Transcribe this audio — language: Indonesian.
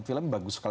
film bagus sekali